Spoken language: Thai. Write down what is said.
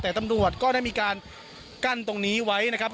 แต่ตำรวจก็ได้มีการกั้นตรงนี้ไว้นะครับ